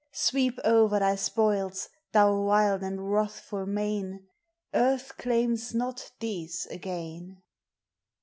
Sweep o'er thy spoils, thou wild and wrathful main ! Earth claims doI thi se again.